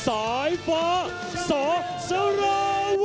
ใจกรอไม่ดีเลยครับโอ้โหเล่นกระทืบเวทีเสร็จต้องบอกว่าโอ้โห